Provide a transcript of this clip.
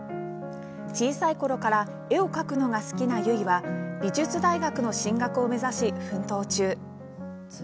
小さいころから絵を描くのが好きな結は美術大学の進学を目指し、奮闘中。